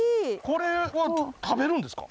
これは食べるんですか？